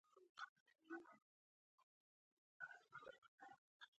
ایا ستاسو مدیریت بریالی نه دی؟